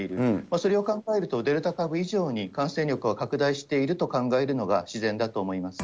それを考えると、デルタ株以上に、感染力は拡大していると考えるのが自然だと思います。